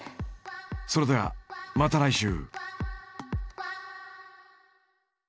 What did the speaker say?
それではまた来週。